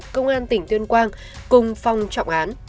công an tỉnh tuyên quang cùng phòng trọng án